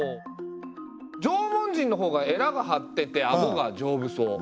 縄文人の方がえらが張っててあごがじょうぶそう。